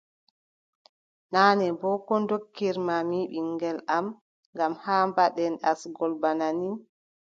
Naane boo, ko ndokkirma mi ɓiŋngel am ngam haa mbaɗen asngol bana nii.